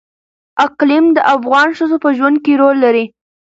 اقلیم د افغان ښځو په ژوند کې رول لري.